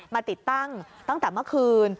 ติดตั้งตั้งแต่เมื่อคืน